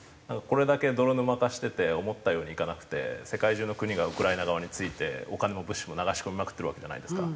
これだけ泥沼化してて思ったようにいかなくて世界中の国がウクライナ側に付いてお金も物資も流し込みまくってるわけじゃないですか。